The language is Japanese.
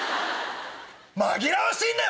紛らわしいんだよ！